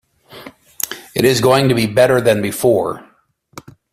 It is going to be better than before.